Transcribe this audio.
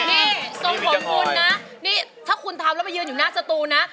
นี่ทรงของคุณนะนี่ถ้าคุณทำแล้วไปยืนอยู่หน้าสตูนะ